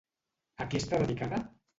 A qui està dedicada?